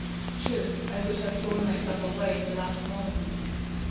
True, 1 could have torn myself away at the last moment.